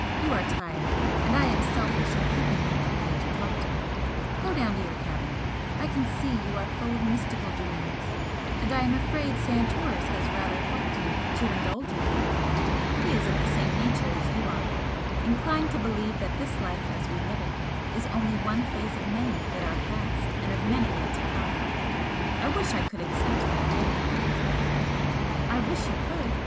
You are tired, and I am selfish in keeping you up here to talk to me. Go down to your cabin. I can see you are full of mystical dreams, and I am afraid Santoris has rather helped you to indulge in them. He is of the same nature as you are inclined to believe that this life as we live it is only one phase of many that are past and of many yet to come. I wish I could accept that faith!" "I wish you could!"